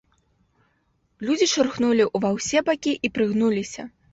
Людзі шурхнулі ўва ўсе бакі і прыгнуліся.